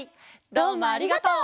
どうもありがとう！